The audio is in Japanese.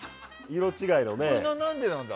色違いのね。